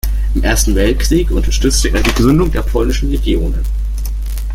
Im Ersten Weltkrieg unterstützte er die Gründung der Polnischen Legionen.